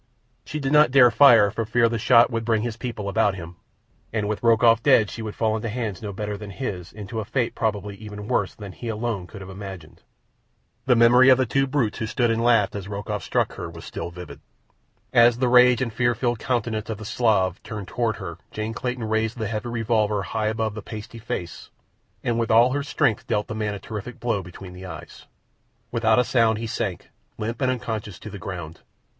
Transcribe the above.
She did not dare fire for fear the shot would bring his people about him, and with Rokoff dead she would fall into hands no better than his and to a fate probably even worse than he alone could have imagined. The memory of the two brutes who stood and laughed as Rokoff struck her was still vivid. As the rage and fear filled countenance of the Slav turned toward her Jane Clayton raised the heavy revolver high above the pasty face and with all her strength dealt the man a terrific blow between the eyes. Without a sound he sank, limp and unconscious, to the ground.